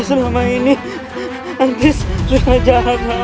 selama ini hentis sudah jahat sama ma